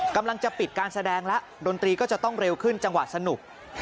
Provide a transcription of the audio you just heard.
กำลังจะปิดการแสดงแล้วดนตรีก็จะต้องเร็วขึ้นจังหวะสนุก